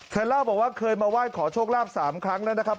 เล่าบอกว่าเคยมาไหว้ขอโชคลาภ๓ครั้งแล้วนะครับ